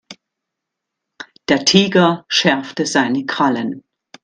Der Tiger schärfte seine Krallen.